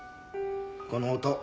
この音